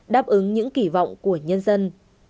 đáp ứng những kỳ vọng của nhân dân